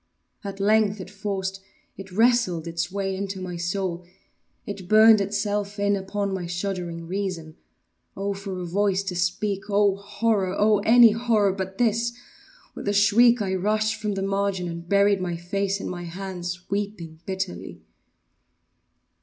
At length it forced—it wrestled its way into my soul—it burned itself in upon my shuddering reason. Oh! for a voice to speak!—oh! horror!—oh! any horror but this! With a shriek, I rushed from the margin, and buried my face in my hands—weeping bitterly.